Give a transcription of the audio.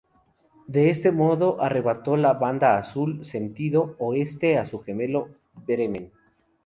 De este modo arrebató la Banda Azul —sentido Oeste— a su gemelo el "Bremen".